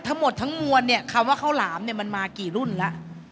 ทั้งหมดทั้งมวลเนี่ยคำว่าข้าวหลามเนี่ยมันมากี่รุ่นแล้ว